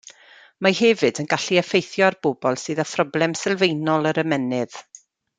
Mae hefyd yn gallu effeithio ar bobl sydd â phroblem sylfaenol yr ymennydd.